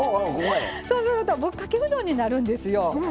そうするとぶっかけうどんになるんですよ。